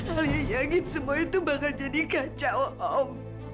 alia yakin semua itu bakal jadi kacau om